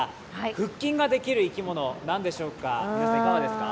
腹筋ができる生き物何でしょうか。